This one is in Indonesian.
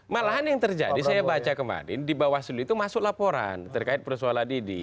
malahan yang terjadi saya baca kemarin di bawaslu itu masuk laporan terkait persoalan ini